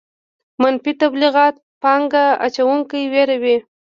منفي تبلیغات پانګه اچوونکي ویروي.